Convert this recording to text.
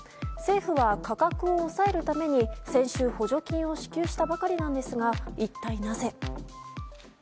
政府は価格を抑えるために先週、補助金を支給したばかりなのですが一体なぜ。